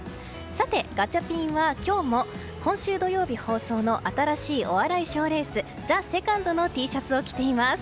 ガチャピンは今日も今週土曜日放送の新しいお笑い賞レース「ＴＨＥＳＥＣＯＮＤ」のＴシャツを着ています。